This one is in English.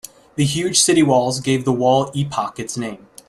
The huge city walls gave the wall epoch its name.